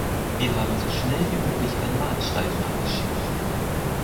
Wir haben so schnell wie möglich ein Mahnschreiben abgeschickt.